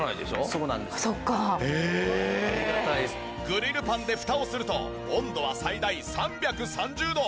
グリルパンでフタをすると温度は最大３３０度。